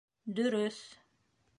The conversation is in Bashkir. — Дөрөҫ.